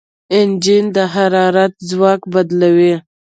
انجن د حرارت ځواک بدلوي.